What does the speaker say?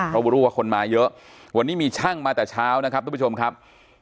เรารู้ว่าคนมาเยอะวันนี้มีช่างมาแต่เช้านะครับ